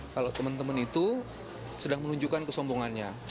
kalau teman teman itu sudah menunjukkan kesombongannya